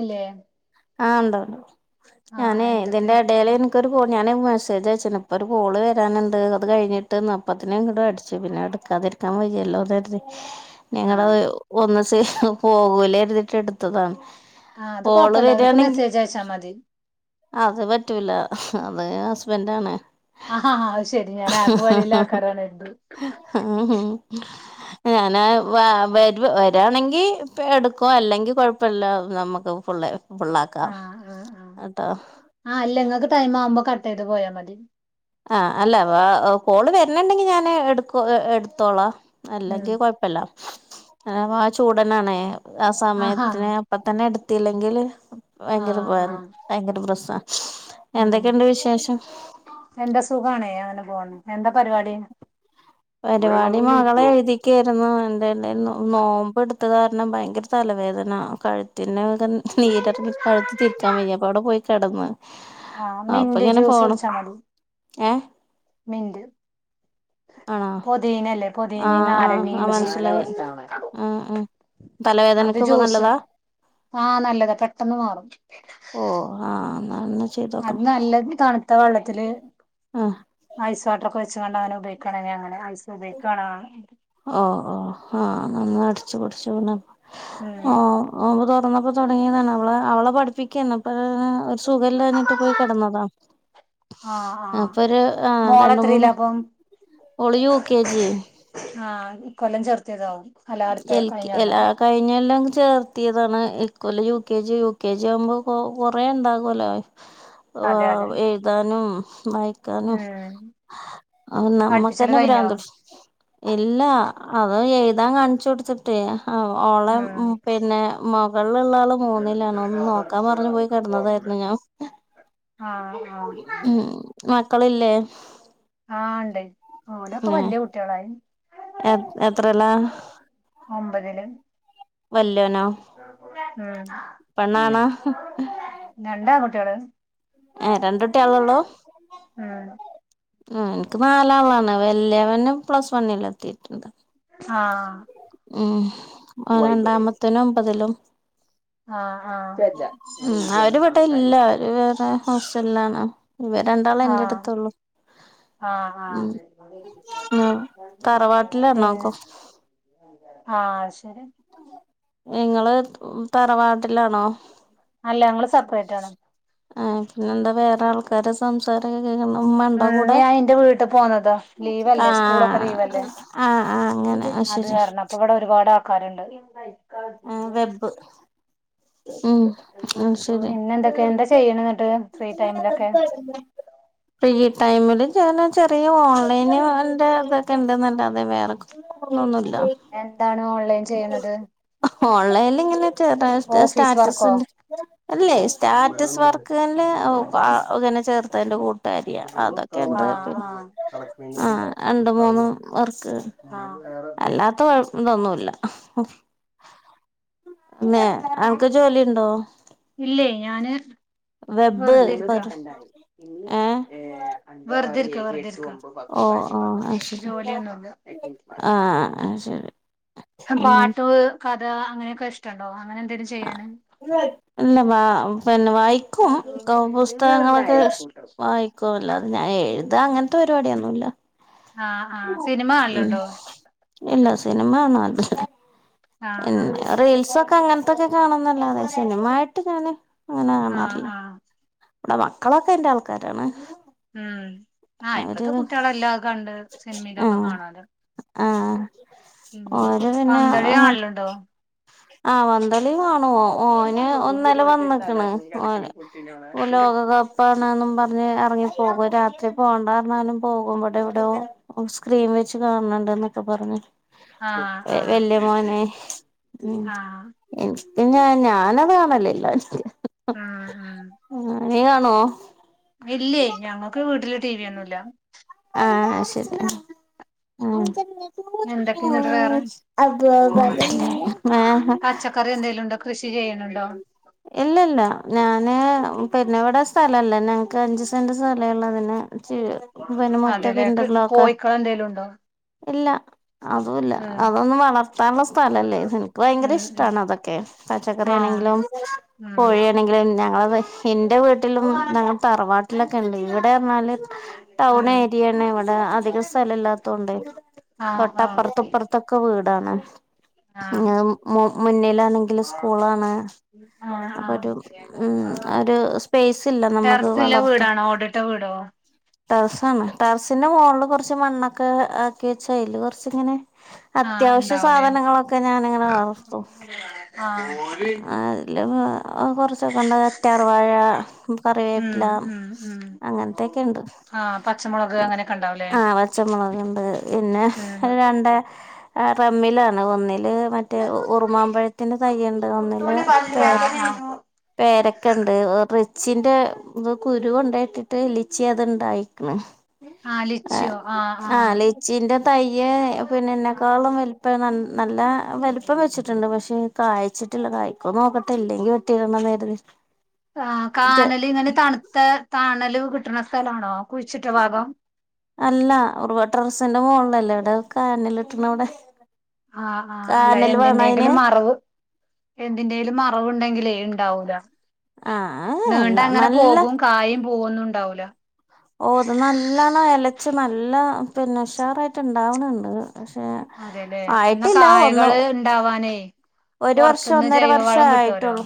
അല്ലേ ആഹ് ഉണ്ടോണ്ട് ആഹ് ഞാന് എന്തൊക്കെ ഇതിന്റെ എടേല് ഇക്ക ഒരു ഞാൻ മെസേജ്യച്ചട്ടണ്ട് ഇപ്പൊ ഒരു കോള് വരാനുണ്ട് അതു കഴിഞ്ഞിട്ട് ഇട്ട് നാൽപ്പത്തിനും ഇങ്ങോടും അടിച്ചു പിന്നെ എടുക്കാതിരിക്കാൻ വയ്യല്ലോ തരുത് ഞങ്ങള ആഹ് ഒന്ന് സ പോകൂല എരുതിട്ട് എടുത്തതാണ് ആഹ് അത് കോള് കുഴപ്പല്ല അവർക്ക് വരാണെങ്കി മെസ്സേജ് അയച്ചാൽ മതി അത് പറ്റൂില്ല അത് ഹസ്ബന്റണ് ആഹാ അത് ശരി ഞൻ ആപ്പ് വഴിയുള്ള ആക്കാരാണ് എന്ന് കരുതി ഉം ഉം ഞനാ വ വരു വരാണെങ്കി എടുക്കും അല്ലെങ്കിൽ കൊഴപ്പില്ല നമ്മുക്ക് പുള്ളെ പുള്ളാക്കാം ആഹ് ആഹ് ആഹ് ആട്ടോ അല്ല ങ്ങൾക്ക് ടൈം ആവ്മ്പോ കട്ട് ചെയ്ത് പോയാൽ മതി ആ അല്ല കോള് വരണണ്ടെങ്കിൽ ഞാന് എടുക്ക എടുത്തോളാം ഉം അല്ലെങ്കിൽ കൊയ പ്പല്ല ആ അപ്പൊ ആ ചൂടനാണേ ആ ആഹാ സമയത്തിന് അപ്പൊത്തന്നെ എടുത്തില്ലെങ്കിൽ ഭയങ്കരം ആഹ് ആഹ് ഭയങ്കരം പ്രശ്നാ. ഉം എന്തൊക്കെയുണ്ട് വിശേഷം? എന്താ സുഖാണേ അങ്ങനെ പോവ്ണ് എന്താ പരിപാടി? പരിപാടി മകളെ എഴുതി ക്കേരുന്നു [unintelligible] നോമ്പ് എടുത്തത് കാരണം ഭയങ്കരം തലവേദന കഴു ത്തിന്റെ അവിടെ നീരിറങ്ങി കഴുത്ത് തിരിക്കാൻ വയ്യ, അപ്പ അവിടെ പോയി കിടന്നാ ആഹ്, മിന്റ് ജ്യൂസ് കുടിച്ചാൽ മതി ഏഹ് മിന്റ്. ആണോ പൊതീനല്ലേ പൊതീനീ ആഹ് ആഹ് ആ നാരങ്ങയും ഇഞ്ചിയും മനസ്സിലായി ആഹ് ആഹ് തലവേദനക്ക് ഒക്കെ നല്ലതാ ആഹ്, നല്ലതാ പെട്ടെന്ന് മാറും. ഓഹ് ആഹ് എന്നാൽ ഇന്ന് അത് നല്ലത് തണുത്ത വെള്ളത്തില് ആഹ് ഐസ് വാട്ടറൊക്കെ വെച്ച്ക്കാണ്ട് അങ്ങനെ ഉപയോഗിക്കാണ് ഇഞ്ഞ് അങ്ങനെ ഐസ് ഉപയോഗിക്ക് ആണ് ഓഹ്, ഓഹ് ആഹ് ഇന്നാ ഒന്ന് അടിച്ച് കുടിച്ചണം, ഉം ഓഹ് നോമ്പ് തുറന്നപ്പോ തൊടങ്ങിയതാണ് അവളെ അവളെ പഠിപ്പിക്കേന്നു ഇപ്പൊ [unintelligible] സുഖല്ലാഞ്ഞിട്ട് പോയി കെടന്നതാ. ആഹ് ആഹ് അപ്പൊരു ആഹ് രണ്ട് മോളെത്രയിലാ മൂന്ന് അപ്പം ഓള് യു കെ ജി. ആഹ്, ഈ കൊല്ലം ചേർത്തിയതാവും അല്ല അടുത്ത എൽക്ക് കഴിഞ്ഞ കൊല്ലം എലാ കഴിഞ്ഞെല്ല അങ്ങ് ചേർത്തിയതാണ്. ഇക്കൊല്ല U K G, U K G ആവുമ്പ കു കുറേണ്ടാകുല്ലോ. അതെ അതെ ആഹ് എഴുതാനും വായി ക്കാനും ഉം അപ്പൊ പഠിപ്പിച്ചല് നമ്മക്കന്നെ കഴിഞ്ഞോ പിരാന്ത്ട്ച്ചും. ഇല്ല അത് എഴുതാൻ കാണിച്ച് കൊടുത്തിട്ടേ ആഹ്, ഓളെ ഉം പിന്നെ മുകൾള്ള ആള് മൂന്നിലാണ് ഒന്ന് നോക്കാൻ പറഞ്ഞ് പോയി കെടന്നതായിരുന്നു ഞാൻ ആഹ്, ആഹ് ഉം മക്കളില്ലേ ആഹ്, ഇണ്ട് ഓലൊക്കെ വലിയ കുട്ടികളായി. എ എത്രലാ? ഒമ്പതില് വല്ല്യോനോ? ആഹ്, ഉം രണ്ട് ആൺ കുട്ടികള്. ഏഹ് രണ്ട് കുട്ടിളൊള്ളൂ? ആഹ് ആഹ്, എനിക്ക് നാലാളാണ്. വലിയവന് പ്ലസ് വണ്ണിൽ എത്തീട്ടുണ്ട്. ആഹ് ഉം ആ രണ്ടാമത്തോന് ഒമ്പതിലും ആഹ് ആഹ് ഉം, അവര് ഇവിടെ ഇല്ല, അവര് വേറെ ഹോസ്റ്റലിലാണ്, ഇവര് രണ്ടാള് ആഹ് എന്റെടുത്തുള്ളൂ. ആഹ്, ആഹ് ആഹ് തറവാട്ടിലാണോ പിന്നെ കൊ ആഹ്, അഹ് ശരി. ഇങ്ങള് തറവാട്ടിലാണോ? അല്ല ഞങ്ങള് സപ്പറേറ്റ് ആണ്. ആ പിന്നെ എന്താ വേറെ ആൾക്കാരസ് സംസാരക്കെ കേക്കുന്നു ഉമ്മണ്ടോ ഉം കൂടെ ഞാൻ എന്റെ വീട്ടിൽ പോന്നതാ ലീവല്ലേ സ്കൂളൊക്കെ ആഹ് ആഹ് ആഹ് അങ്ങനെ ആഹ് ശെരി ണ്ട് അർഞ്ഞു അപ്പ ഇവിടെ ഒരുപാട് ആൾക്കാര്ണ്ട് ആഹ് വെബ് ഉം ഉം ശരി പിന്നെ എന്തൊക്കെ എന്താ ചെയ്യണ എന്നിട്ട് ഫ്രീ ടൈമിലൊക്കെ ഫ്രീ ടൈമില് ഞാന് ചെറിയ ഓൺലൈൻന്റെ തൊക്കെണ്ട്ന്നല്ലാതെ വേറെക്ക ഇപ്പൊന്നൊന്നുംല്ല എന്താണ് ഓൺലൈൻ ചെയ്യുന്നത് ഓൺലൈനിൽ ഇങ്ങനെ ചെറതായിട്ട് ഓഫീസ് വർക്കോ സ്റ്റാറ്റസിന്റെ അല്ലേ സ്റ്റാറ്റസ് വർക്ക്ല്ല ഒ അങ്ങനെ ചേർത്തതിന്റെ കൂ തരിയ അതൊക്കെണ്ട് പിൻ ആഹ് ആഹ് ആഹ് രണ്ട് മൂന്ന് വർക്ക് അഹ് വേറെ അല്ലാത്ത കൊയ് ഇതൊന്നുല്ല മേ അൻക്ക് ജോലിണ്ടോ? ഇല്ലേ ഞാന് വെബ് വെറുതെ ഇരിക്ക ഒരു ഏ വെറുതെരിക്ക വെറുതെരിക്ക ഓഹ് ഓഹ് അഹ് ശരി ആഹ് അഹ് ശരി എഹ് പാട്ട് കഥ അങ്ങനെക്കെ ഇഷ്ടണ്ടോ അങ്ങനെ എന്തെലും ചെയ്യാന് ഇല്ല വ പിന്നെ വായിക്കും പുസ്തകങ്ങളൊക്കെ വായി ക്കു ല്ലാതെ ഞാൻ എഴുത അങ്ങൻത്തെ പരിപാട്യൊന്നുല്ല ആഹ് ആഹ് സിനിമ കാണൽ ഉണ്ടോ ഇല്ല സിനിമ ഒന്നും കണ്ടില്ല ആഹ് ആഹ് റീൽസൊക്കെ അങ്ങൻത്തൊക്കെ കാണുംന്നല്ലാതെ സിനിമായിട്ട് ഞാന് ആഹ് ആഹ് ഇവടെ മക്കളൊക്കെ അയ്ന്റെ ആൾക്കാരാണ് ഉം ആഹ് അവര് ഇപ്പത്തെ കുട്ടികളെല്ലാം അഹ് കണ്ട് സിനിമയിലൊക്കെ ആഹ് കാണാല് ആഹ് ഓരോ പന്തളി പിന്നെങ്ങൻ കാണലുണ്ടോ ആഹ് വന്തളി വാണൂ ഓന് ഒന്നല് വന്നിക്ണ് ഓ ഓ ലോകകപ്പാണ്ന്നും പർ ഞ് ഇറങ്ങിപ്പോകും രാത്രി പോണ്ടാർഞാലും പോകും ഇവിടെവ്ടോ സ്ക്രീൻ വെച്ച് കാൺണ് ണ്ട് ന്നൊക്കെ പറഞ് ആഹ് വല്യ ആഹ് മോനെ ഉം ആഹ് പിന്നെ ഞാനത് കാണല് ല്ലാ നിക്ക് ഉം ഉം നീ കാണോ ഇല്ലേ ഞങ്ങക്ക് വീട്ടില് ടി വി ഒന്നുല്ല ആഹ് ശരി ഉം എന്തൊക്കന്നട്ട് വേറെ ഏഹ് പച്ചക്കറി എന്തേലുണ്ട കൃഷി ചെയ്യണണ്ടോ ഇല്ലല്ല ഞാന് പിന്നെ ഇവിടെ സ്ഥലല്ലേ ഞങ്ങക്ക് അഞ്ചു സെന്റ് സ്ഥലള്ളതന്നെ ച്ച് പിന്നെ മുറ്റംക്കെ അതെല്ലേ ഇന്റർലോക്ക കോഴിക്കള് എന്തേലും ഉണ്ടോ ഇല്ലാ അതുംല്ല ഉം അതൊന്നും വളർത്താനുള്ള സ്ഥലല്ലേ ഇൻക്ക് ഭയങ്കര ഉം ഉം ഇഷ്ടാണ് അതൊക്കെ പച്ചക്കറി ആഹ് ആണെങ്കിലും ഉം കോഴിയണെങ്കിലും ഞങ്ങളത് ഇന്റെ വീട്ടിലും ഞങ്ങളെ തറവാട്ടിലൊക്കെണ്ട് ഇവിടെ അർഞ്ഞാല് ടൗൺ ഉം ഏരിയാണ് ഇവിടെ അധികം സ്ഥലം ഇല്ലാത്തോണ്ട് ആഹ് ആഹ് തൊട്ടപ്പുറത്തുപ്പറ ത്തൊക്കെ വീടാണ് ആഹ് മു മു മുന്നിലാണെങ്കില് സ്കൂളാണ് ആഹ് ആഹ് അപ്പൊരു ഉം ഒരു സ്പേസ് ഇല്ല നമുക്ക് വളർത്ത റ്റ വീടാേ ടെറസാണ് ടെറസ്ന്റെ മാേൾല് കാെർച്ച് മണ്ണൊക്കെ ആക്കി വെച്ച് അയ്ല് കൊർച്ച്ങ്ങെനെ ആഹ് അത്യാവശ്യ ഉണ്ടാവൂലേ സാധനങ്ങളൊക്കെ ഞാനിങ്ങെനെ വളർത്തും ആഹ് ല് കൊർച്ചൊക്കെ ഉണ്ട് കറ്റാർവാഴാ ഉം കറിവേപ്പ്ലാ ഉം ഉം അങ്ങെൻത്തെക്കെണ്ട് ആഹ് പച്ചമുളക് അങ്ങനെയൊക്കെ ഉണ്ടാവൂലേ ആഹ് പച്ചമൊളക്ണ്ട് പിന്നെ ഉം രണ്ട് ആഹ് റമ്മിലാണ് ഒന്നില് മറ്റേ ഉറുമാമ്പഴത്തിന്റെ തയ്യ്ണ്ട് ഒന്നില് ആഹ് പേര് ആഹ് പേരക്കണ്ട് റിച്ചിന്റെ ത് കുരു കൊണ്ടോയ്ട്ട്ട്ട് ലിച്ചി അത്ണ്ടായ്ക്ക്ണ് ആഹ് ലിച്ചിന്റെ തയ്യ് പിന്നെ ഇന്നെക്കാളും വൽ ഇപ്പ ന നല്ല വല്‌പ്പം വെച്ചിട്ട്ണ്ട് പക്ഷെ കായ്ച്ച്ട്ട്ല്ല കായ്ക്കോ നോക്ക അല്ലെങ്കി [unintelligible] ആഹ് കാനല് ഇങ്ങെനെ തണ്ത്തെ താണല് കിട്ട്ണ സ്ഥലാണോ കുഴിച്ച്ട്ട ഭാഗം അല്ലാ ഉറവ ടെറസ്ന്റെ മാേൾലല്ലേ എവ്ടെ കാനല്ട്ട്ണവ്ടെ ആഹ് ആഹ് അല്ല അയിന് എന്തിന്റേങ്കിലും മറവ് എന്തിന്റേലും മറവ്ണ്ടെങ്കിലേ ഇണ്ടാവൂല ആ അല്ല നീണ്ട് അങ്ങനെ നല്ല പോകും കായേം പൂവൊന്നുംണ്ടാവൂലാ ഓഹ് ത് നല്ലണ എലെച്ച് നല്ല പിന്നെ ഉഷാറായ്ട്ട് ഇണ്ടാവ്ണ്‌ണ്ട് പക്ഷേ ആയിട്ടില്ലാ ഒന്നു ണ്ടാവാനേ ഒരു വർഷം ഒന്നര വർഷാേ ആയിട്ടാെള്ളൂ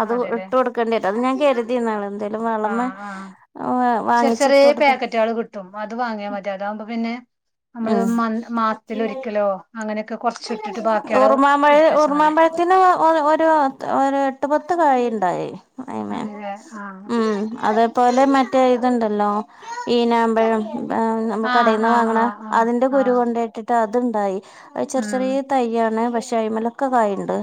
അതു അതെല്ലേ ഇട്ട് കൊട്ക്കെണ്ട്യെരും അത് ഞാൻ കെര് തിന്നാണ് എന്തേലും വളമെ ആഹ് ആഹ് വ വാങ്ങിച്ച് ഇട്ട് കൊട്ത്താ ട്ടും അത് വാങ്ങ്യാ മതി അതാവുമ്പം പിന്നെ നമ്മെള് ഉം മ മാസ്ത്തിലൊരിക്കലോ അങ്ങെനെയൊക്കെ കാെർച്ച്ട്ട്ട്ട് ബാക്ക്യാള് ഇട്ത്തെച്ചാ മതി ത്തിന് ഒ ഒരു ത് ഒര് എട്ട് പത്ത് കായിണ്ടായി അയ്മെ അതെല്ലേ ആഹ് ഉം അതെ പോലെ മറ്റേ ഇത്ണ്ടല്ലോ ഈനാമ്പഴം ഏഹ് നമ്മ ആഹ് കടേന്ന് ആഹ് വാങ്ങ്ണേ ആഹ് ആഹ് അതിന്റെ കുരു ആഹ് കൊണ്ടേയ്ട്ട് ത്തത്ണ്ടായി അത് ചെറ് ഉം ചെറ്യേ തയ്യാണ് പക്ഷെ അയ്മലൊക്കെ കായിണ്ട്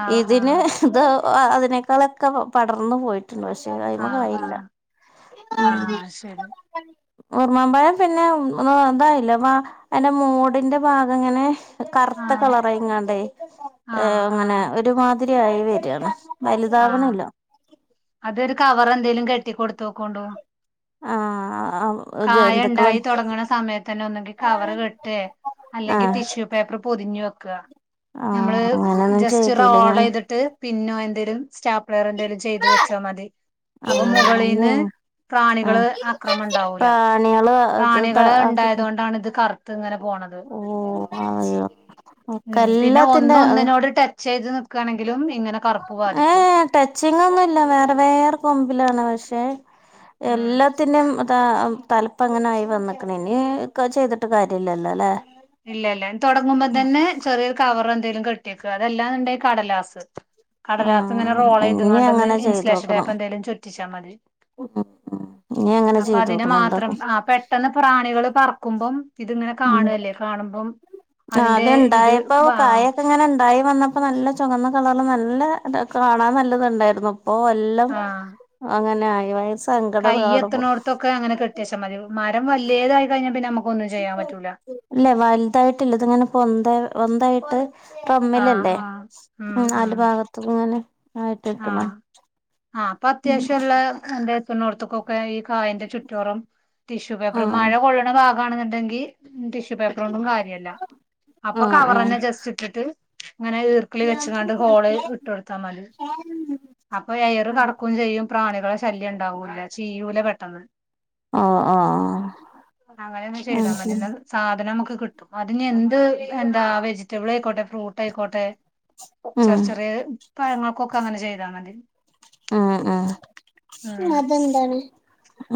ആഹ് ഇതിന് ആഹ് ത് അ അതിനേക്കാളൊക്കെ പ പടർന്ന് പോയി പക്ഷെ അത അയ്മെ ആഹ് കായില്ല ആഹ് ഊം ആഹ് ശരി ഉർമ്മാംപഴം പിന്നെ തായില്ല വാ അയ്ന്റെ മൂട്ന്റെ ഭാഗംങ്ങെനെ കർത്ത ആഹ് കളറായ്ങ്ങാണ്ടെ ആഹ് ഇങ്ങെനെ ആഹ് ഒരുമാതിരി ആയി വെരാണ് ആഹ് വല്താവണ്ല്ലാ അതൊരു കവറെന്തേലും കെട്ടി കൊട്ത്താേക്കോണ്ടൂ ആഹ് ജന്തുക്കള് കായണ്ടായി താെടങ്ങ്ണ സമയത്തെന്നെ ഒന്നെങ്കി കവറ് കെട്ടേ അല്ലെങ്കി ആഹ് ടിഷ്യൂ പേപ്പെറ് പൊതിഞ്ഞ് വെക്കാ ഞമ്മെള് ആഹ് അങ്ങനൊന്നും ജസ്റ്റ് ചെയ്തില്ല ഞാൻ റോളെയ്ത്ട്ട് പിന്നോ എന്തേലും സ്റ്റാപ്പ്ളെയറോ എന്തേലും ച്ചാ മതി അപ്പൊ മുകളീന്ന് അങ്ങനെയ പ്രാണികെള് ആഹ് ആക്രമണ്ടാവൂലാ പ്രാണികള് പ്രാണികെള് ആക്കിട്ട് ഇണ്ടായതോണ്ടാണ്ത് കറ് ത്ത്ങ്ങെനെ പോണത് ഓഹ് അയ്യോ ഒക്കെ ഉം പിന്നെ ഒന്ന് എല്ലാത്തിന്റെ ഒന്ന്നോട് ടെ ച്ചെയ്ത് നിക്കാണെങ്കിലും ഇങ്ങെനെ കറുപ്പ് ബാധിക്കും ടെച്ചിങ്ങാന്നുല്ല വേറെ വേറെ കൊമ്പിലാണ് പക്ഷേ ഉം എല്ലാത്തിനും തലപ്പ അങ്ങനെ ആ വന്നിക്കണ ഇനി ചെയ്തിട്ട് കാര്യല്ലല്ലോ അല്ലേ ഇല്ല ഇല്ല തുടങ്ങുമ്പോ തന്നെ ചെറിയരു കവർ എന്തെങ്കിലും കെട്ടിയേക്കും അതെല്ലാന്നുണ്ടായി കടലാസ് കടലാസ് ഇങ്ങനെ ഉം റോൾ ചെയ്ത ഇനി കൊണ്ടന്ന് അങ്ങനെ ചെയ്ത് നോക്കണം ഇൻസലേഷൻടപ്പ എന്തെലും ചൊറ്റിച്ചാൽ മതി ഉം ഉം ഇനി അങ്ങനെ അപ്പൊ ചെയ്ത് അതിനെ നോക്കണം മാത്രം എന്താക്കും ആഹ് പേ പെട്ടെന്ന് പ്രാണികള് പറക്കുമ്പം ഇതിങ്ങനെ ഉം കാണുവല്ലേ കാണുമ്പം അതിന്റെ ഇത് അത്ണ്ടായപ്പോ ആ കായക്കെങ്ങനെ ഉണ്ടായി വന്നപ്പോ നല്ല ചുവന്ന കളർ നല്ല കാണാൻ നല്ലത് ഉണ്ടായിരുന്നു അപ്പൊ എല്ലാം ആ അങ്ങനെ ആയി വയ സങ്കടം കാണുമ്പോ ഒക്കെ അങ്ങനെ കട്ടാച്ചൽ മതി മരം വലതായി കഴിഞ്ഞൽ പിന്നെ നമുകോന്നും ചെയ്യാൻ പറ്റൂല്ല ഇല്ലേ വലുതായിട്ടില്ല ഇത്ങ്ങനെ പൊന്ത പൊന്ത യിട്ട് ആ മ്മിലല്ലേ ആ ഉം നല് ഭാഗത്ത ഇങ്ങനെ ആയിട്ട് നിക്കണോ ആഹ് ആഹ് അപ്പൊ അത്യാവശ്യംള്ള എന്റെ എത്തണോർത്തക്കൊക്കെ ഈ കായന്റെ ചുറ്റോറം ടിഷ്യൂ പേപ്പർ ആഹ് മഴ കൊള്ളണ ഭാഗമാണെന്നുണ്ടെങ്കിൽ ടിഷ്യൂ പേപ്പറൊണ്ടും കാര്യല്ല അപ്പൊ ആഹ് ആഹ് കവർന്നെ ജസ്റ്റ് ഇട്ടിട്ട് അങ്ങനെർ കക്കളി വെച്ചച്ച് കണ്ട് ഹോള് ഇട്ട് കൊടുത്താൽ മതി അപ്പൊ എയറ് കടക്കുകയും ചെയ്യും പ്രാണികളെ ശല്യം ഉണ്ടാവൂല്ല ചീയൂല പെട്ടത് ആഹ് ആഹ് ഉം സാധനമക്ക് കിട്ടും അതി എന്ത് എന്താ വെജിറ്റബിൾ ആയിക്കോട്ടെ ഫ്രൂട്ട് ആയിക്കോട്ടെ ഉം ചെറിയ ചെറിയ പഴങ്ങൾക്കൊക്കെ അങ്ങനെ ചെയ്താന്നതി അഹ് അഹ് അതെന്താണ്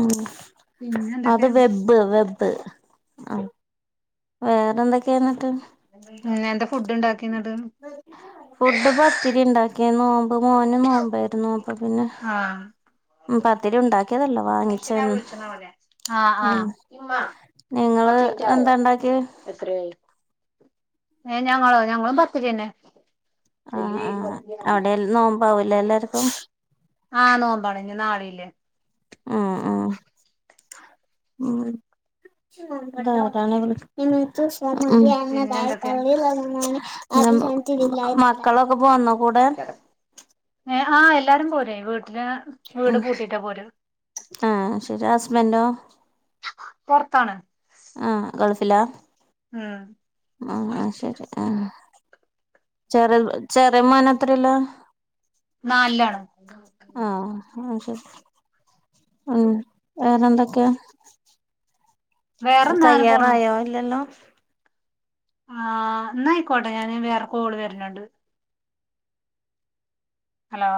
ഉം പിന്നെ എന്തൊക്കെ അത് വെബ് വെബ് ആഹ് വേറെന്തൊക്കെയ എന്നിട്ട് എന്താ ഫുഡ് ഉണ്ടാക്കിത് ഫുഡ് പത്തിരി ഉണ്ടാക്കി നോമ്പ് മോന് നോമ്പായിരുന്നു ന അത് പിന്നെ ആഹ് ഉം പത്തിരി ഉണ്ടാക്കിയതല്ലോ വാങ്ങിച്ച ആഹ് ആഹ് നിങ്ങള് എന്താ ഉണ്ടാക്കി എത്ര ആയ് ഏയ് ഞങ്ങളോ ഞങ്ങളും പത്തിരി തന്നെ ആഹ് ആഹ് അവിടെ നോമ്പാവൂല എല്ലാർക്കും ആഹ് നോമ്പണ ഇ നാളീല്ലേ അഹ് അഹ് ഉം അതാ [unintelligible] [unintelligible] ഉം പിന്നെ എന്തൊക്കെ [unintelligible] മക്കളൊക്കെ പോന്നൊ കൂടെ? ഏഹ് ആഹ് എല്ലാരും പോരെ വീട്ട്ലാ ഉം ആഹ് ശെരി ഹസ്ബന്റോ? പൊർത്താണ് ആഹ് ഗൾഫിലാ? ഉം ആഹ് അഹ് ശെരി ആഹ് ചെറ ചെറ്യമേനെത്രല്ല ന്നാലിലണ് [unintelligible] ആഹ് അഹ്ശെരി ഉം വേറെന്തൊക്കെ? വേറെന്നാങ്ങനെ പോണു കയ്യാറായോ ഇല്ലല്ലോ? ആഹ് ന്നായിക്കോട്ടെ ഞാന് വേറെ കോള് വെര്നിണ്ട് ഹലോ